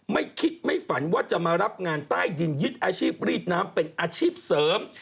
ไม่คิดไม่ฝันว่าจะมารับงานใต้ดินยึดอาชีพรีดน้ำเป็นอาชีพเสริม